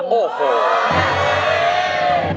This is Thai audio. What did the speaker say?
โอเค